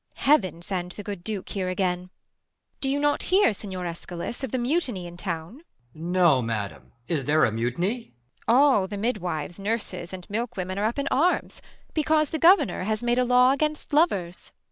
Heaven send the good Duke here again ! do you Not hear, Signior Eschalus, of the mutiny In town 1 EsCH. No, ]V adam ! Is there a mutiny 1 Beat. All the midwives, nurses, and milk women Are up in arms, because the governor Has made a law against lovers.